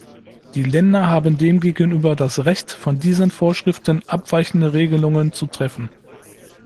Die Länder haben demgegenüber das Recht, von diesen Vorschriften abweichende Regelungen zu treffen.